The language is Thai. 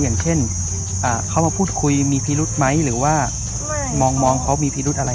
อ่ะเขามาพูดคุยมีพิรุษมั้ยหรือว่ามองมองเขามีพิรุษอะไร